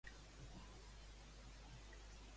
Què va determinar una escriptura en llatí de Saint-Lizier?